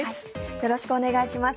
よろしくお願いします。